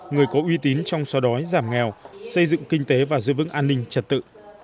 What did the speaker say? người có uy tín trong xoa đói giảm nghèo xây dựng kinh tế và giữ vững an ninh trật tự